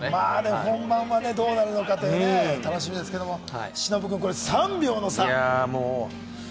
本番どうなるのか楽しみですけれども、忍君、これ３秒の差。